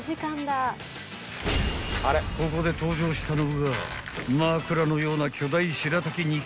［ここで登場したのが枕のような］